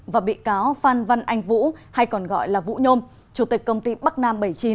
và bị cáo phan văn anh vũ hay còn gọi là vũ nhôm chủ tịch công ty bắc nam bảy mươi chín